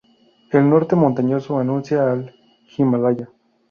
El norte, montañoso, anuncia al Himalaya.